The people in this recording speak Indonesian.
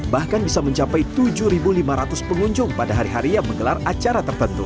bahkan bisa mencapai tujuh lima ratus pengunjung pada hari hari yang menggelar acara tertentu